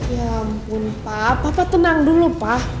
ya ampun papa papa tenang dulu pa